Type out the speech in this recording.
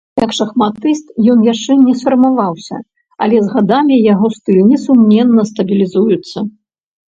Як шахматыст ён яшчэ не сфармаваўся, але з гадамі яго стыль, несумненна, стабілізуецца.